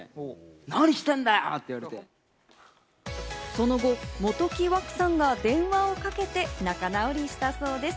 その後、元木湧さんが電話をかけて仲直りしたそうです。